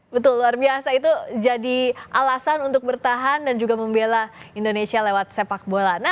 betul luar biasa itu jadi alasan untuk bertahan dan juga membela indonesia lewat sepak bola